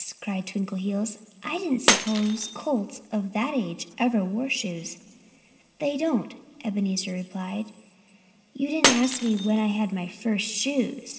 cried Twinkleheels. "I didn't suppose colts of that age ever wore shoes." "They don't," Ebenezer replied. "You didn't ask me when I had my first shoes.